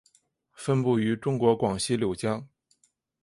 分布于中国广西柳江。